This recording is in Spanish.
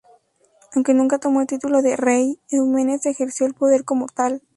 Aunque nunca tomó el título de "rey", Eumenes ejerció el poder como tal.